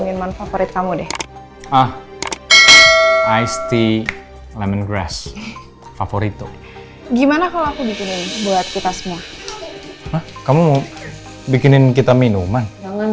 ice tea lemongrass favorit gimana kalau aku bikin buat kita semua kamu bikinin kita minuman